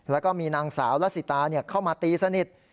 แล้วก็มีนางสาวละสิตาเข้ามาตีสนิท